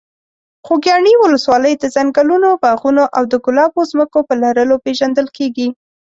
خوږیاڼي ولسوالۍ د ځنګلونو، باغونو او د ګلابو ځمکو په لرلو پېژندل کېږي.